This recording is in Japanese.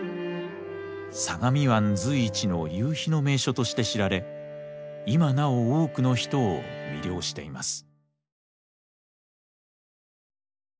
相模湾随一の夕日の名所として知られ今なお多くの人を魅了しています。